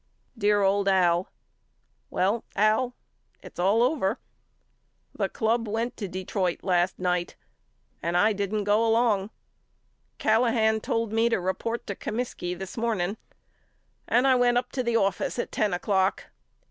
DEAR OLD AL: Well Al it's all over. The club went to Detroit last night and I didn't go along. Callahan told me to report to Comiskey this morning and I went up to the office at ten o'clock.